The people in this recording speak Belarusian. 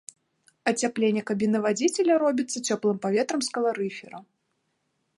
Ацяпленне кабіны вадзіцеля робіцца цёплым паветрам з каларыфера.